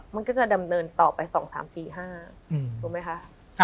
มันก็จะดำเนินต่อไป๒๓๔๕ถูกไหมคะ